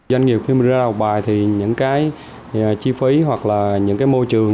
doanh nghiệp khi mà ra một bài thì những cái chi phí hoặc là những cái môi trường